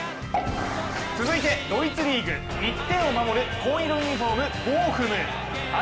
続いてドイツリーグ１点を守る紺色のユニフォームボーフム。